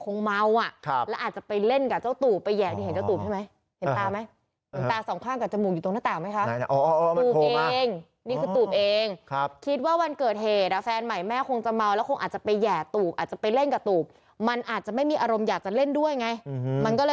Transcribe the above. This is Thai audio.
คงเมาอ่ะครับแล้วอาจจะไปเล่นกับเจ้าตูบไปแยะนี่เห็นเจ้าตูบใช่ไหม